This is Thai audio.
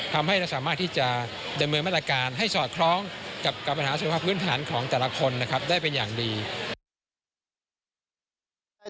ทำให้เราสามารถที่จะดำเนินมาตรการให้สอดคล้องกับปัญหาสุขภาพพื้นฐานของแต่ละคนนะครับได้เป็นอย่างดี